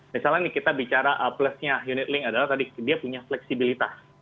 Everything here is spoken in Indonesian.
misalnya nih kita bicara plusnya unitlink adalah tadi dia punya fleksibilitas